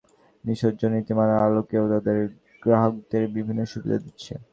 এসব সুবিধার পাশাপাশি ব্যাংকগুলো নিজস্ব নীতিমালার আলোকেও তাদের গ্রাহকদের বিভিন্ন সুবিধা দিচ্ছে।